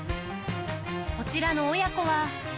こちらの親子は。